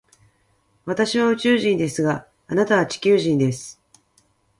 私は宇宙人ですが、あなたは地球人です。